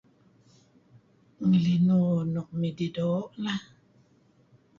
Ngelinuh nuk midih doo' lah.